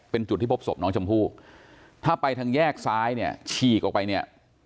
เป็นจุดที่พบศพน้องชมพู่ถ้าไปทางแยกซ้ายเนี่ยฉีกออกไปเนี่ย